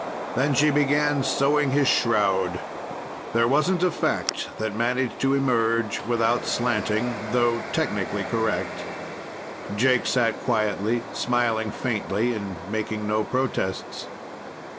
Then she began sewing his shroud. There wasn't a fact that managed to emerge without slanting, though technically correct. Jake sat quietly, smiling faintly, and making no protests.